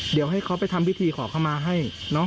เดี๋ยวให้เขาไปทำพิธีขอเข้ามาให้